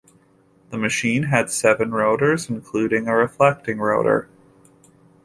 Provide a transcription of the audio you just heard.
The machine had seven rotors, including a reflecting rotor.